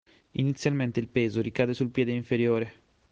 Inizialmente il peso ricade sul piede inferiore.